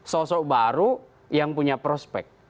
sosok baru yang punya prospek